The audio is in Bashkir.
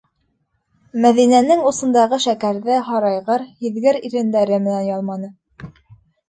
Мәҙинәнең усындағы шәкәрҙе һарайғыр һиҙгер ирендәре менән ялманы.